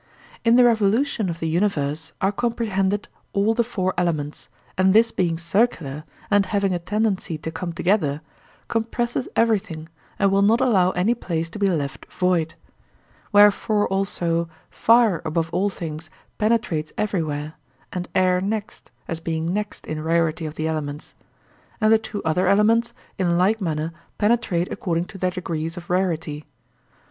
In the revolution of the universe are comprehended all the four elements, and this being circular and having a tendency to come together, compresses everything and will not allow any place to be left void. Wherefore, also, fire above all things penetrates everywhere, and air next, as being next in rarity of the elements; and the two other elements in like manner penetrate according to their degrees of rarity.